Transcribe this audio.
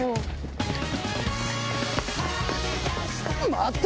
待て！